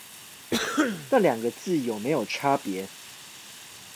那兩個字有沒有差別